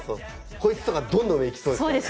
こいつとかどんどん上行きそうですからね。